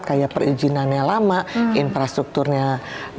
kayak perizinannya lama infrastrukturnya